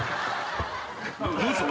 どうした？